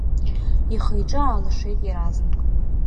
Ихы-иҿы аалашеит иаразнак.